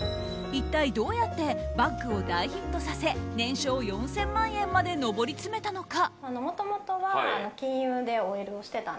一体どうやってバッグを大ヒットさせ年商４０００万円まで上り詰めたのか。